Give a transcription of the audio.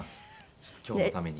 ちょっと今日のために。